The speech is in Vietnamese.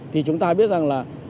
thì chúng ta biết rằng là